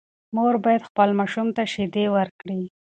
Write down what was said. مور باید خپل ماشوم ته شیدې ورکړي.